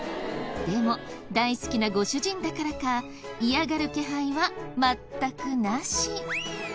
でも大好きなご主人だからか嫌がる気配は全くなし。